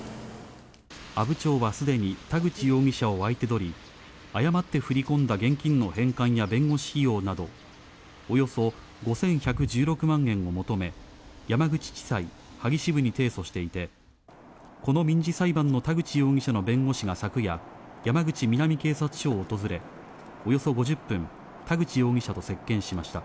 阿武町はすでに田口容疑者を相手取り、誤って振り込んだ現金の返還や弁護士費用など、およそ５１１６万円を求め、山口地裁萩支部に提訴していて、この民事裁判の田口容疑者の弁護士が昨夜、山口南警察署を訪れ、およそ５０分、田口容疑者と接見しました。